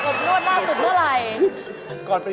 ถูกที่สูง